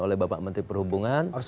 oleh bapak menteri perhubungan